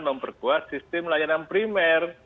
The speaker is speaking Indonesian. memperkuat sistem layanan primer